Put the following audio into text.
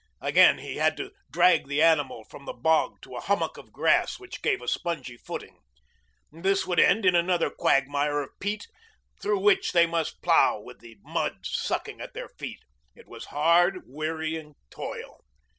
Again he had to drag the animal from the bog to a hummock of grass which gave a spongy footing. This would end in another quagmire of peat through which they must plough with the mud sucking at their feet. It was hard, wearing toil.